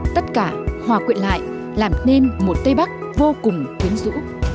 tất cả hòa quyện lại làm nên một tây bắc vô cùng quyến rũ